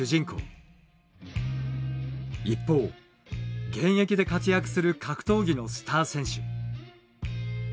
一方現役で活躍する格闘技のスター選手。